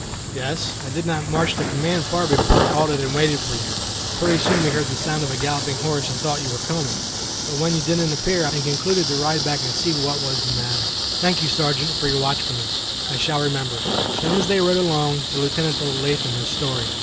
"Yes; I did not march the command far before I halted and waited for you. Pretty soon we heard the sound of a galloping horse, and thought you were coming. But when you didn't appear, I became alarmed and concluded to ride back and see what was the matter." "Thank you, Sergeant, for your watchfulness. I shall remember it." Then as they rode along, the Lieutenant told Latham his story.